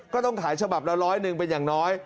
ก็ต้องขายฉบับละร้อยหนึ่งเป็นอย่างน้อย